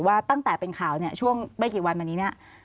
ว่าตั้งแต่เป็นข่าวช่วงไม่กี่วันมานี้